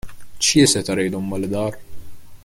چیه ستاره دنباله دار؟